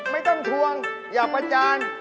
ไม่ต้องทวงอย่าประจาน